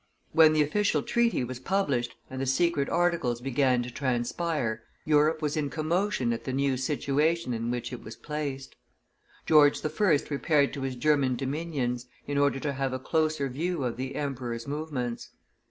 When the official treaty was published and the secret articles began to transpire, Europe was in commotion at the new situation in which it was placed. George I. repaired to his German dominions, in order to have a closer view of the emperor's movements.